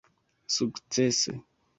sukcese